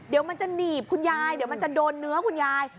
เดี๋ยวมันจะหนีบคุณยายเดี๋ยวมันจะโดนเนื้อคุณยาย